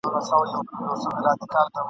نور به نه کرئ غنم په کروندو کي !.